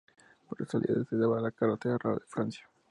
Por su salida se daba a la "Carretera Real de Francia".